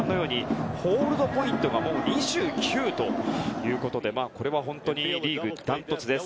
ホールドポイントが２９ということでこれはリーグダントツです。